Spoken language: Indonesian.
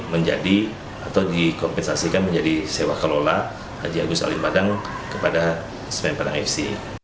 menjadi atau dikompensasikan menjadi sewa kelola haji agus alim madang kepada semen padang afc